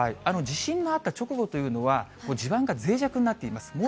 地震のあった直後というのは、地盤がぜい弱になっています。